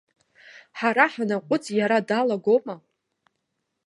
Ҳара ҳанаҟәыҵ, иара далагома?!